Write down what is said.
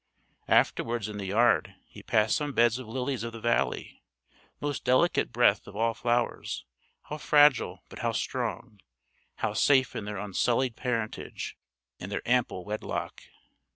Afterwards in the yard he passed some beds of lilies of the valley most delicate breath of all flowers: how fragile but how strong, how safe in their unsullied parentage, in their ample wedlock!